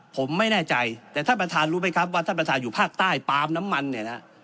ผมไม่แน่ใจแต่ท่านประธานรู้ไหมครับว่าท่านประธานอยู่ภาคใต้ปาล์มน้ำมันเนี่ยนะ